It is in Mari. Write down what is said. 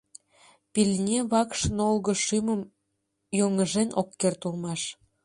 Пильне вакш нолго шӱмым йоҥыжен ок керт улмаш.